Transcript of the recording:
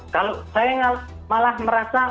kalau saya malah merasa